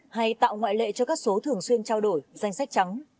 hay tạo ngoại lệ cho các số thường xuyên trao đổi danh sách trắng